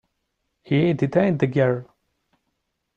He detained the girl.